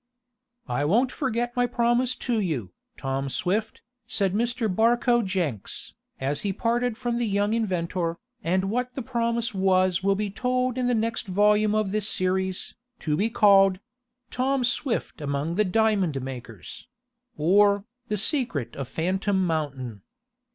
"I won't forget my promise to you, Tom Swift," said Mr. Barcoe Jenks, as he parted from the young inventor, and what the promise was will be told in the next volume of this series, to be called: "Tom Swift Among the Diamond Makers; or, The Secret of Phantom Mountain."